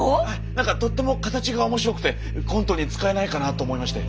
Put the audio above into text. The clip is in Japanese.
なんかとっても形が面白くてコントに使えないかなと思いまして。